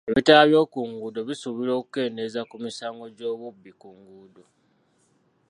Ebitaala by'oku nguudo bisuubirwa okukendeeza ku misaango gy'obubbi ku nguudo.